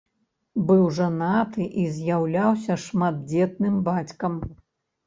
Быў жанаты і з'яўляўся шматдзетным бацькам.